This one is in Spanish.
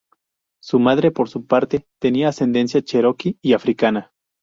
Su madre, por su parte, tenía ascendencia cherokee y africana.